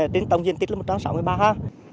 tính tổng diện tích là một trăm sáu mươi ba ha